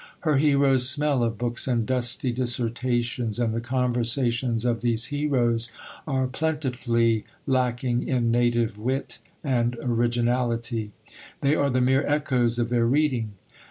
Her heroes smell of books and dusty dissertations, and the conversations of these heroes are plentifully lacking in native wit and originality they are the mere echoes of their reading.